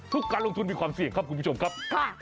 การลงทุนมีความเสี่ยงครับคุณผู้ชมครับ